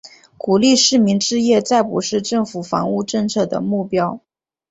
鼓励市民置业再不是政府房屋政策的目标。